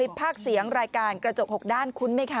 โพสต์คลิปพากเสียงรายการกระจกหกด้านคุ้นไหมคะ